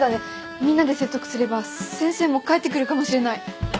みんなで説得すれば先生も帰ってくるかもしれない。